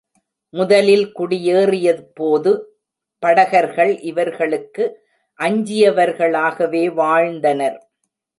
முதலில் குடியேறியபோது, படகர்கள் இவர்களுக்கு அஞ்சியவர்களாகவே வாழ்ந்தனர்.